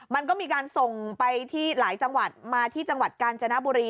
มันก็มีการส่งไปที่หลายจังหวัดมาที่จังหวัดกาญจนบุรี